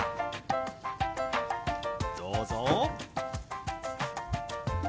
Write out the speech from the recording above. どうぞ！